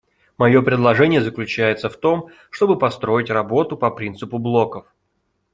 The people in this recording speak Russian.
Мое предложение заключается в том, чтобы построить работу по принципу блоков.